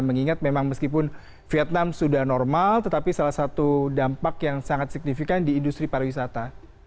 mengingat memang meskipun vietnam sudah normal tetapi salah satu dampak yang sangat signifikan di industri pariwisata